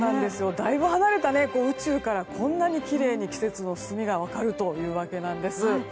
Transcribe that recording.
だいぶ離れた宇宙からこんなにきれいに季節の進みが分かるというわけです。